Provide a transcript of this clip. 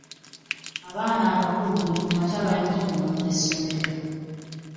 Abaana abakulu buli ku makya balina okuyonja essomero.